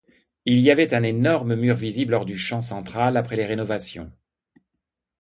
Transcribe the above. Il y avait un énorme mur visible hors du champ central après les rénovations.